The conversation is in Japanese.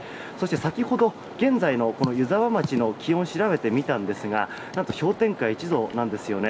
先ほど、現在の湯沢町の気温を調べてみたんですが何と氷点下１度なんですよね。